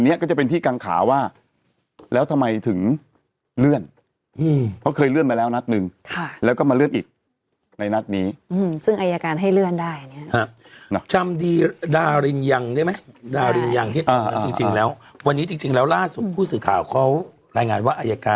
เดี๋ยวเรากลับมาเล่าเนอะอันนั้นเอาไปไปเขารบตรงชาติก่อนเดี๋ยวกลับมาเดี๋ยวกลับมาค่ะ